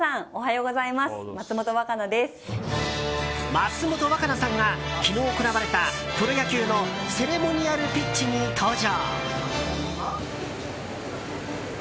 松本若菜さんが昨日行われたプロ野球のセレモニアルピッチに登場。